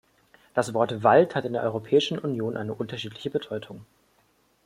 Das Wort "Wald" hat in der Europäischen Union eine unterschiedliche Bedeutung.